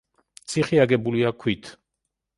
ციხე აგებულია ქვით.